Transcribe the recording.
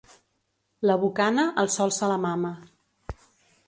La bocana, el sol se la mama.